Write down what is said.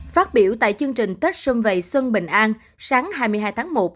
phát biểu tại chương trình tết sơn vầy sơn bình an sáng hai mươi hai tháng một